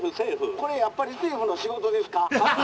「これやっぱり政府の仕事ですか？」。